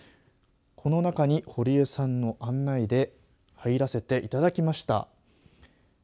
この中に堀江さんの案内で入らせていただきました。